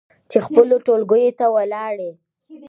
چې خپلو ټولګيو ته ولاړې